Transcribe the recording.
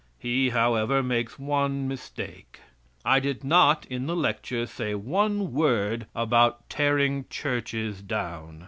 He, however, makes one mistake. I did not in the lecture say one word about tearing churches down.